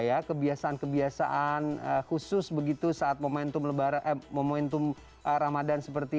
ya kebiasaan kebiasaan khusus begitu saat momentum lebaran momentum ramadan seperti